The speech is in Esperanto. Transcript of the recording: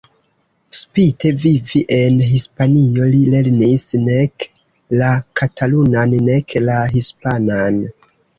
Spite vivi en Hispanio li lernis nek la katalunan nek la hispanan.